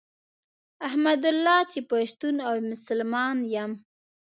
الحمدالله چي پښتون او مسلمان يم